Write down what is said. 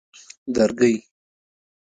درگۍ